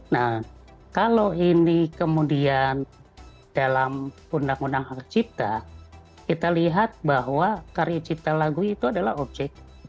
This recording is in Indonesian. nah kalau ini kemudian dalam undang undang hak cipta kita lihat bahwa karya cipta lagu itu adalah objek